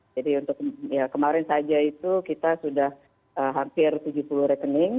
jadi untuk kemarin saja itu kita sudah hampir tujuh puluh rekening